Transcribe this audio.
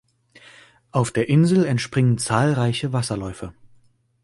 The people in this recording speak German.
Auf der Insel entspringen zahlreiche Wasserläufe.